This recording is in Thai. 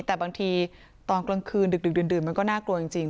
แต่บางทีตอนกลางคืนดึกดื่นมันก็น่ากลัวจริง